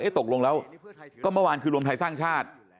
ตกลงแล้วก็เมื่อวานคือรวมไทยสร้างชาติ